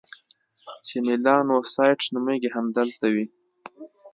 چې میلانوسایټس نومیږي، همدلته وي.